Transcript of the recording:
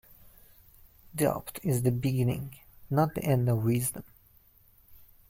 Doubt is the beginning, not the end of wisdom